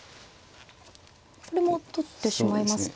これも取ってしまいますと。